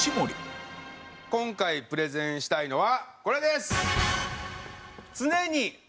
今回プレゼンしたいのはこれです！